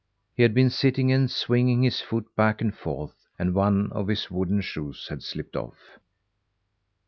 He had been sitting and swinging his foot back and forth, and one of his wooden shoes had slipped off.